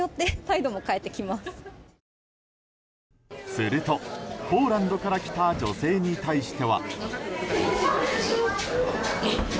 すると、ポーランドから来た女性に対しては。